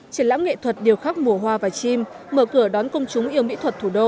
triển lãm nghệ thuật điều khắc mùa hoa và chim mở cửa đón công chúng yêu mỹ thuật thủ đô